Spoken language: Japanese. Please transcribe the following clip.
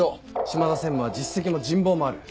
島田専務は実績も人望もある。